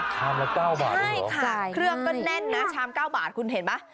ชามละ๙บาทใช่ค่ะเครื่องก็แน่นนะชาม๙บาทคุณเห็นไหม